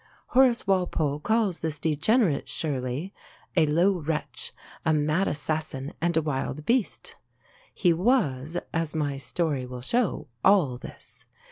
Horace Walpole calls this degenerate Shirley "a low wretch, a mad assassin, and a wild beast." He was, as my story will show, all this.